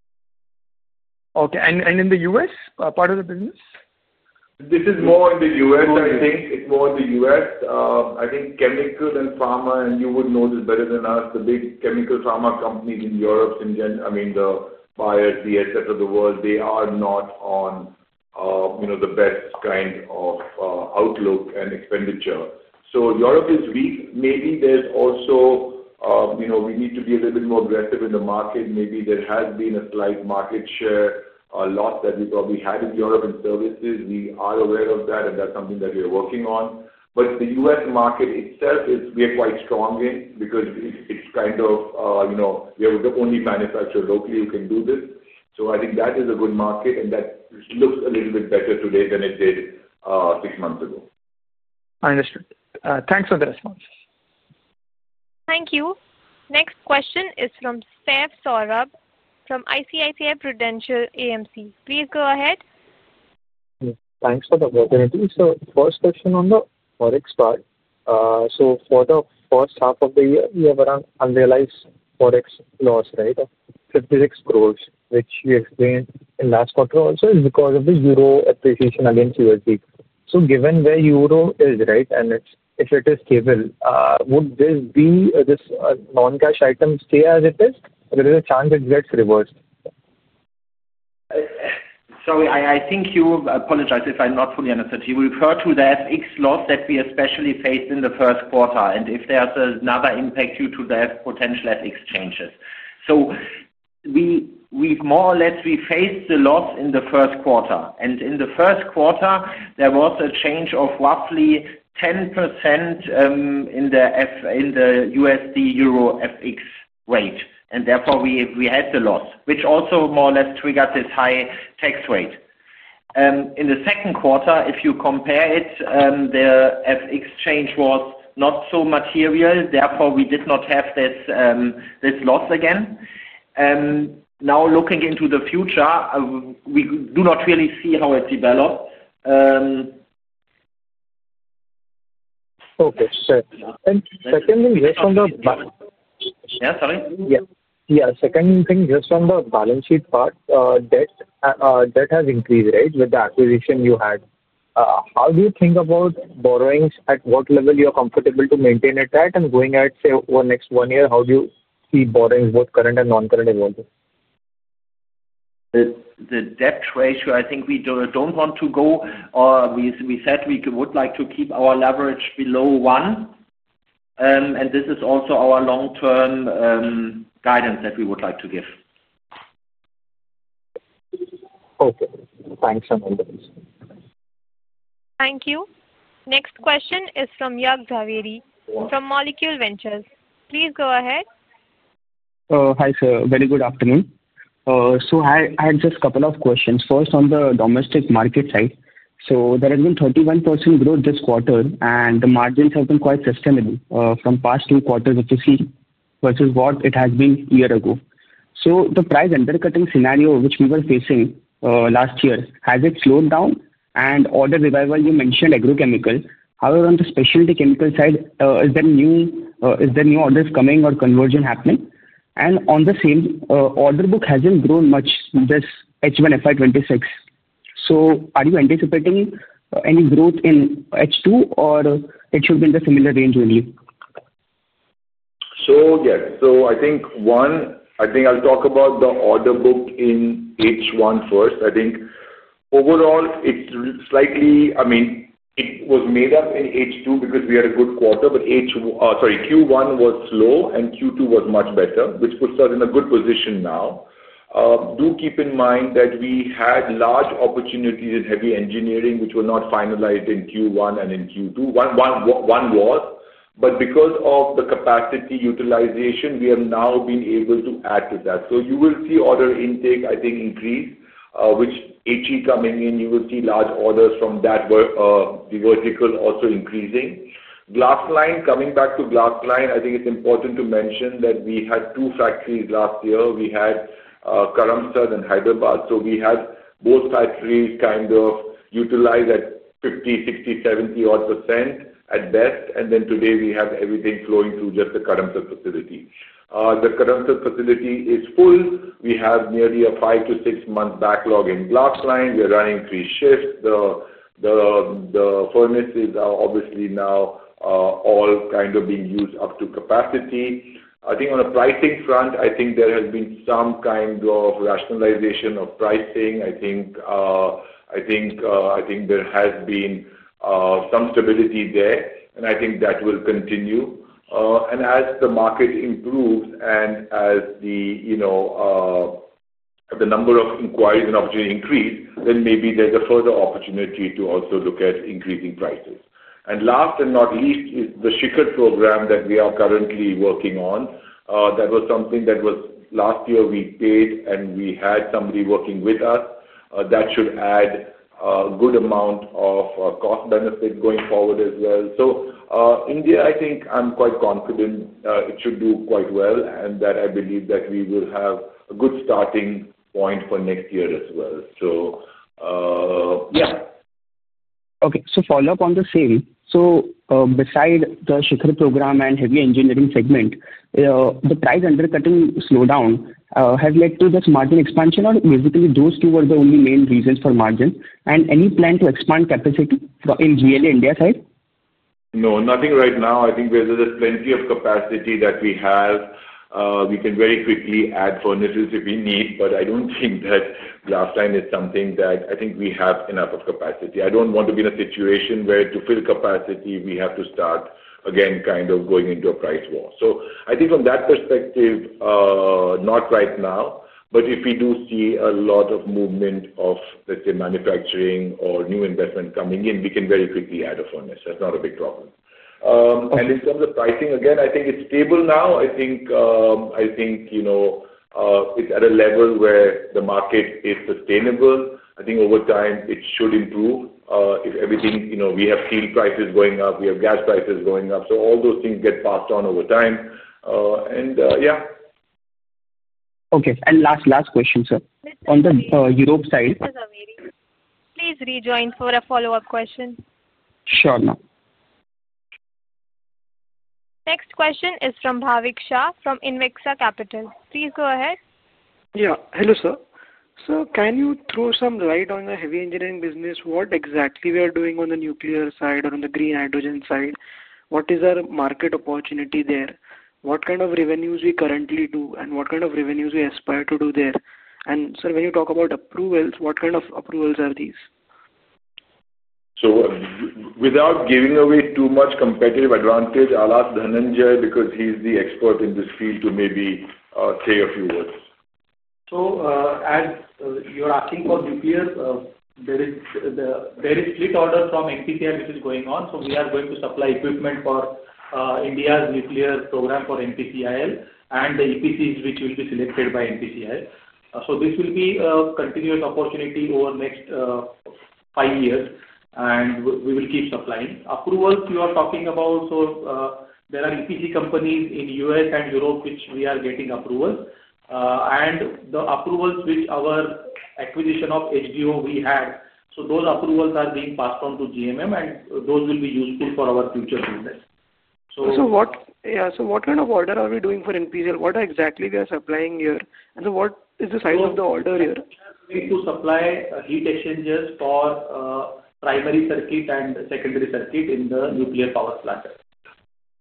Okay. In the U.S., part of the business? This is more in the U.S., I think. It's more in the U.S. I think chemical and pharma, and you would know this better than us, the big chemical pharma companies in Europe, I mean, the BioESE, etc., the world, they are not on the best kind of outlook and expenditure. Europe is weak. Maybe there's also, we need to be a little bit more aggressive in the market. Maybe there has been a slight market share loss that we probably had in Europe in services. We are aware of that, and that's something that we are working on. The U.S. market itself, we are quite strong in because it's kind of, we are the only manufacturer locally who can do this. I think that is a good market, and that looks a little bit better today than it did six months ago. Understood. Thanks for the response. Thank you. Next question is from Saif Sohrab from ICICI Prudential AMC. Please go ahead. Thanks for the opportunity. First question on the Forex part. For the first half of the year, we have an unrealized Forex loss, right, of 560 million, which you explained in last quarter also, is because of the euro appreciation against U.S.D. Given where euro is, right, and if it is stable, would this non-cash item stay as it is? There is a chance it gets reversed. Sorry, I think you apologize if I'm not fully understood. You referred to the FX loss that we especially faced in the first quarter, and if there's another impact due to the potential FX changes. More or less, we faced the loss in the first quarter. In the first quarter, there was a change of roughly 10% in the USD/EUR FX rate. Therefore, we had the loss, which also more or less triggered this high tax rate. In the second quarter, if you compare it, the FX change was not so material. Therefore, we did not have this loss again. Now, looking into the future, we do not really see how it developed. Okay. Second thing, just on the balance. Yeah? Sorry? Yeah. Yeah. Second thing, just on the balance sheet part, debt has increased, right, with the acquisition you had. How do you think about borrowings, at what level you're comfortable to maintain at that? Going ahead, say, over the next one year, how do you see borrowings, both current and non-current, evolving? The debt ratio, I think we don't want to go. We said we would like to keep our leverage below 1. And this is also our long-term guidance that we would like to give. Okay. Thanks for the information. Thank you. Next question is from Yug Jhaveri from Molecule Ventures. Please go ahead. Hi, sir. Very good afternoon. I had just a couple of questions. First, on the domestic market side. There has been 31% growth this quarter, and the margins have been quite sustainable from past two quarters, which is versus what it has been a year ago. The price undercutting scenario, which we were facing last year, has it slowed down? Order revival, you mentioned agrochemical. However, on the specialty chemical side, is there new orders coming or conversion happening? On the same order book, has it grown much, this H1 FY2026? Are you anticipating any growth in H2, or it should be in the similar range only? Yes. I think, one, I think I'll talk about the order book in H1 first. I think overall, it's slightly, I mean, it was made up in H2 because we had a good quarter, but Q1 was slow, and Q2 was much better, which puts us in a good position now. Do keep in mind that we had large opportunities in heavy engineering, which were not finalized in Q1 and in Q2. One was. Because of the capacity utilization, we have now been able to add to that. You will see order intake, I think, increase, with heavy engineering coming in. You will see large orders from that vertical also increasing. Coming back to glass line, I think it's important to mention that we had two factories last year. We had Karamsad and Hyderabad. We had both factories kind of utilized at 50%, 60%, 70-odd % at best. Today, we have everything flowing through just the Karamsad facility. The Karamsad facility is full. We have nearly a five to six-month backlog in glass line. We're running three shifts. The furnace is obviously now all kind of being used up to capacity. I think on the pricing front, there has been some kind of rationalization of pricing. There has been some stability there, and I think that will continue. As the market improves and as the number of inquiries and opportunities increase, then maybe there's a further opportunity to also look at increasing prices. Last and not least is the Shikhar program that we are currently working on. That was something that was last year we paid, and we had somebody working with us. That should add a good amount of cost benefit going forward as well. India, I think I'm quite confident it should do quite well and that I believe that we will have a good starting point for next year as well. Yeah. Okay. So follow-up on the same. So beside the Shikhar program and heavy engineering segment, the price undercutting slowdown has led to this margin expansion, or basically, those two were the only main reasons for margin? And any plan to expand capacity in GLE India side? No, nothing right now. I think there's plenty of capacity that we have. We can very quickly add furnaces if we need, but I don't think that glass line is something that I think we have enough of capacity. I don't want to be in a situation where to fill capacity, we have to start again kind of going into a price war. I think from that perspective, not right now, but if we do see a lot of movement of, let's say, manufacturing or new investment coming in, we can very quickly add a furnace. That's not a big problem. In terms of pricing, again, I think it's stable now. I think it's at a level where the market is sustainable. I think over time, it should improve. If everything, we have steel prices going up. We have gas prices going up. All those things get passed on over time. And yeah. Okay. Last question, sir. On the Europe side. Please rejoin for a follow-up question. Sure. Next question is from Bhavik Shah from Invexa Capital. Please go ahead. Yeah. Hello, sir. Sir, can you throw some light on the heavy engineering business? What exactly are we doing on the nuclear side or on the green hydrogen side? What is our market opportunity there? What kind of revenues do we currently do, and what kind of revenues do we aspire to do there? Sir, when you talk about approvals, what kind of approvals are these? Without giving away too much competitive advantage, I'll ask Dhananjay because he's the expert in this field to maybe say a few words. As you're asking for nuclear, there is a split order from NPCIL, which is going on. We are going to supply equipment for India's nuclear program for NPCIL and the EPCs, which will be selected by NPCIL. This will be a continuous opportunity over the next five years, and we will keep supplying. Approvals you are talking about, there are EPC companies in the U.S. and Europe, which we are getting approvals. The approvals which our acquisition of HDO, we had, those approvals are being passed on to GMM, and those will be useful for our future business. Yeah. What kind of order are we doing for NPCIL? What exactly are we supplying here? What is the size of the order here? We need to supply heat exchangers for primary circuit and secondary circuit in the nuclear power plant.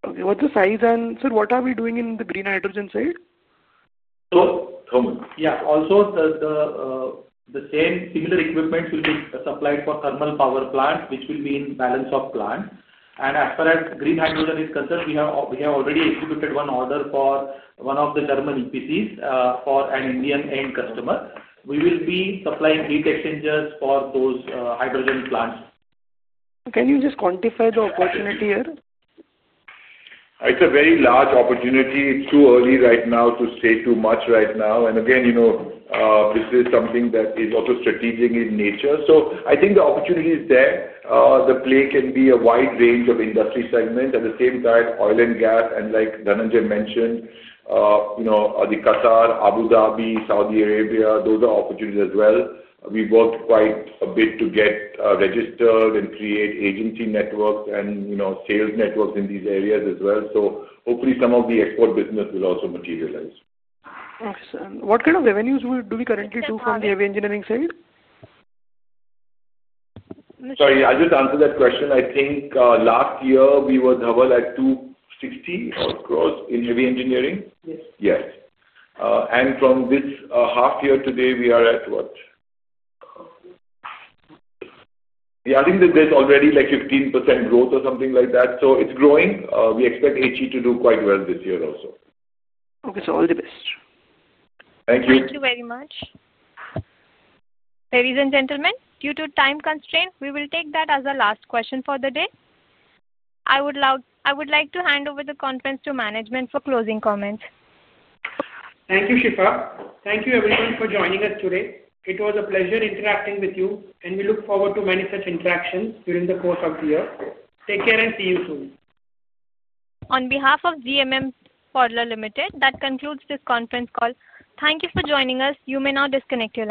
Okay. What's the size? And sir, what are we doing in the green hydrogen side? Thermal. Yeah. Also, the same similar equipment will be supplied for thermal power plants, which will be in balance of plant. As far as green hydrogen is concerned, we have already executed one order for one of the German EPCs for an Indian-end customer. We will be supplying heat exchangers for those hydrogen plants. Can you just quantify the opportunity here? It's a very large opportunity. It's too early right now to say too much right now. This is something that is also strategic in nature. I think the opportunity is there. The play can be a wide range of industry segments. At the same time, oil and gas, and like Dhananjay mentioned, the Qatar, Abu Dhabi, Saudi Arabia, those are opportunities as well. We worked quite a bit to get registered and create agency networks and sales networks in these areas as well. Hopefully, some of the export business will also materialize. Excellent. What kind of revenues do we currently do from the heavy engineering side? Sorry, I'll just answer that question. I think last year, we were double at 260 crore across in heavy engineering. Yes. Yes. From this half year to date, we are at what? Yeah, I think that there's already like 15% growth or something like that. It is growing. We expect HE to do quite well this year also. Okay. So all the best. Thank you. Thank you very much. Ladies and gentlemen, due to time constraint, we will take that as the last question for the day. I would like to hand over the conference to management for closing comments. Thank you, Shifa. Thank you, everyone, for joining us today. It was a pleasure interacting with you, and we look forward to many such interactions during the course of the year. Take care and see you soon. On behalf of GMM Pfaudler Limited, that concludes this conference call. Thank you for joining us. You may now disconnect your line.